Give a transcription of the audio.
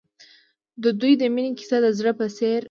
د دوی د مینې کیسه د زړه په څېر تلله.